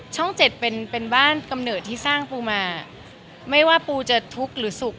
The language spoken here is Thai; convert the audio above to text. เจ็ดเป็นเป็นบ้านกำเนิดที่สร้างปูมาไม่ว่าปูจะทุกข์หรือสุข